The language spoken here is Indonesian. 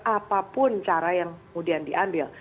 apapun cara yang kemudian diambil